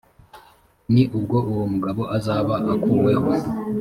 ni bwo uwo mugabo azaba akuweho